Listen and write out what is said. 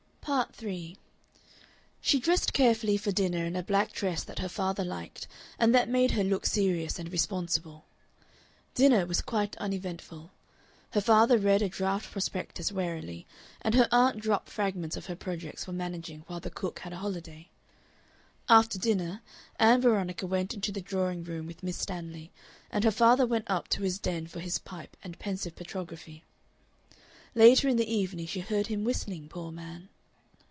Part 3 She dressed carefully for dinner in a black dress that her father liked, and that made her look serious and responsible. Dinner was quite uneventful. Her father read a draft prospectus warily, and her aunt dropped fragments of her projects for managing while the cook had a holiday. After dinner Ann Veronica went into the drawing room with Miss Stanley, and her father went up to his den for his pipe and pensive petrography. Later in the evening she heard him whistling, poor man!